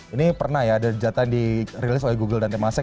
ini pernah ya ada data yang dirilis oleh google dan temasek